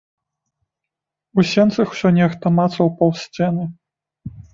У сенцах усё нехта мацаў паўз сцены.